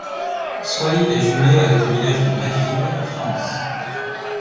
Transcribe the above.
Sway est jumelé avec le village de Bretteville, France.